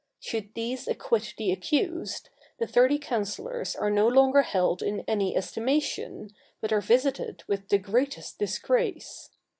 Should these acquit the accused, the thirty counsellors are no longer held in any estimation, but are visited with the greatest disgrace.